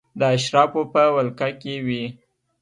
د اشرافو په ولکه کې وې.